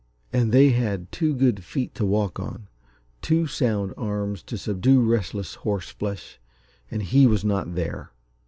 And they had two good feet to walk on, two sound arms to subdue restless horseflesh and he was not there!